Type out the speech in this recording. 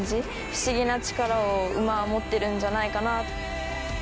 不思議な力を馬は持ってるんじゃないかな。